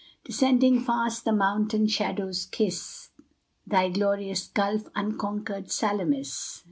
Descending fast, the mountain shadows kiss Thy glorious gulf, unconquered Salamis!